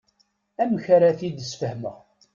Amek ara t-id-sfehmeɣ?